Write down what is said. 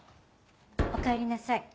おかえりなさい。